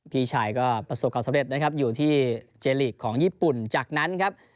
พี่ชายก็ประสบความสำเร็จนะครับอยู่ที่เจลีกของญี่ปุ่นจากนั้นครับ